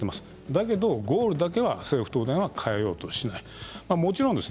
だけどゴールだけは政府、東電は変えようとしていません。